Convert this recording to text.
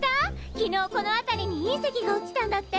昨日この辺りに隕石が落ちたんだって！